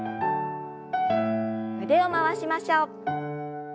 腕を回しましょう。